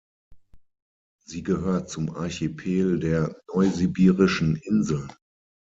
Sie gehört zum Archipel der Neusibirischen Inseln.